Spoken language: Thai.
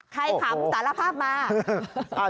ใครผับตราละภาพมา